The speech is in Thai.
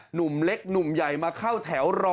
หนุ่มเล็กหนุ่มใหญ่มาเข้าแถวรอ